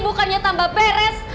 bukannya tambah beres